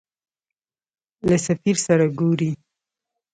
له سفیر سره ګورې.